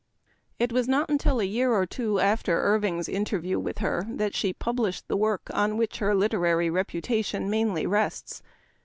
It was not till a year or two after Irv ing's interview with her that she published the work on which her literary reputation mainly rests.